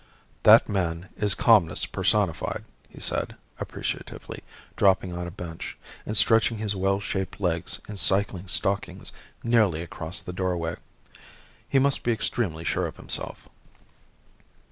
"That man is calmness personified," he said, appreciatively, dropping on a bench, and stretching his well shaped legs in cycling stockings nearly across the doorway. "He must be extremely sure of himself."